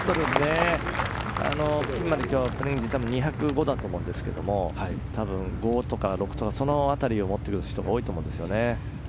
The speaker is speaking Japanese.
多分ピンまで２０５だと思うんですけど５とか６とかその辺りを持ってる人が多いと思うんです。